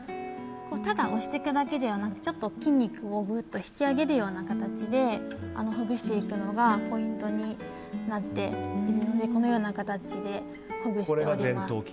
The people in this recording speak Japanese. ただ押していくだけではなく筋肉を引き上げるような形でほぐしてくのがポイントになっていくのでこのような形でほぐしております。